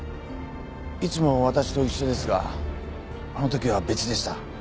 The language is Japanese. いつもわたしと一緒ですがあのときは別でした。